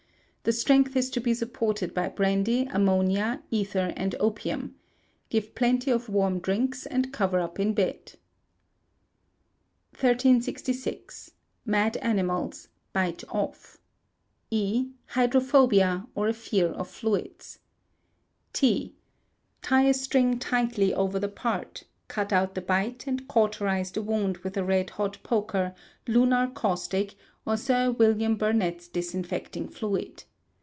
The strength is to be supported by brandy, ammonia, ether, and opium. Give plenty of warm drinks, and cover up in bed. 1366. Mad Animals, Bite of. E. Hydrophobia, or a fear of fluids. T. Tie a string tightly over the part, cut out the bite, and cauterize the wound with a red hot poker, lunar caustic, or Sir Wm. Burnett's Disinfecting Fluid.